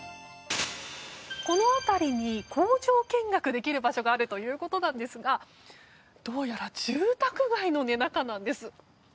この辺りに工場見学できる場所があるということなんですがどうやら住宅街の中なんです。